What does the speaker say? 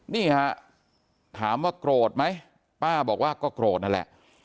นี่ฮะถามว่าโกรธไหมป้าบอกว่าก็โกรธนั่นแหละ